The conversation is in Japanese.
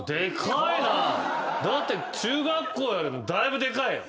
だって中学校よりもだいぶでかいよ。